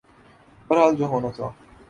بہرحال جو ہونا تھا۔